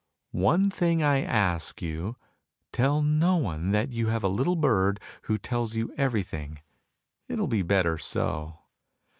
"One thing I ask you! Tell no one that you have a little bird who tells you everything, it will be better so!